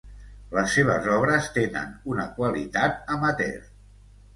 Les seves obres tenen una qualitat amateur.